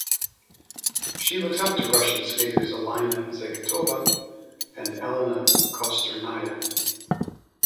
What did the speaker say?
She looks up to Russian skaters Alina Zagitova and Alena Kostornaia.